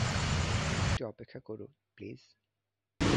একটু অপেক্ষা করুন, প্লিজ।